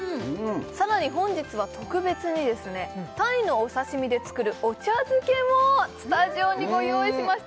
さらに本日は特別にですね鯛のお刺身で作るお茶漬けもスタジオにご用意しました